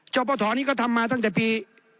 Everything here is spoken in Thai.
จบประถอนี่ก็ทำมาตั้งแต่ปี